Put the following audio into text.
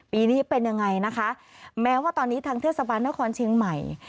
ปีนี้เป็นยังไงนะคะแม้ว่าตอนนี้ทางเทศบาลนครเชียงใหม่